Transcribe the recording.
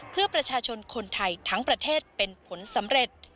เพื่อประชาชนคนไทยทั้งประเทศเป็นผลสำเร็จ